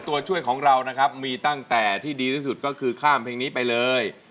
ตัวช่วยของเรานะครับมีตั้งแต่ที่ดีที่สุดก็คือข้ามเพลงนี้ไปเลย